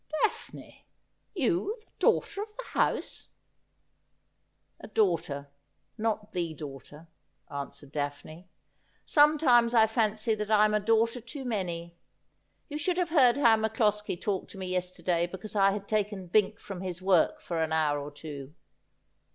' Daphne ! You — the daughter of the house !'' A daughter ; not the daughter,' answered Daphne. ' Some times I fancy that I'am a daughter too many. You should have heard how MacCloskie talked to me yesterday because I had taken Bink from his work for an hour or two.